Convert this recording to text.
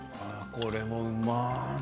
これもうまい。